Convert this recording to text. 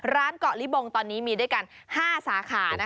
เกาะลิบงตอนนี้มีด้วยกัน๕สาขา